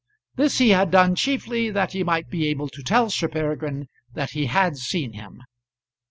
This he had done chiefly that he might be able to tell Sir Peregrine that he had seen him.